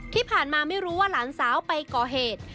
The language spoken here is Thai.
ที่ผ่านมาไม่รู้ว่าหลานสาวไปก่อเหตุ